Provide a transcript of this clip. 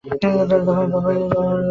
তার বাবা, ডাক্তার সকলেই চিন্তিত ছিলো।